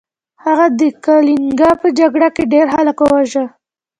هغه د کلینګا په جګړه کې ډیر خلک وواژه.